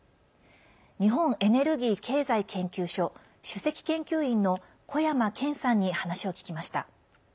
日本エネルギー経済研究所首席研究員の小山堅さんに話を聞きました。